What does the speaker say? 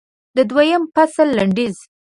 د دویم فصل لنډیز